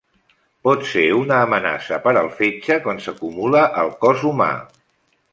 Pot ser una amenaça per al fetge quan s'acumula al cos humà.